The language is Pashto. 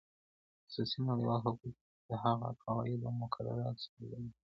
خصوصی نړیوال حقوق د هغه قواعد او مقررات څخه عبارت دی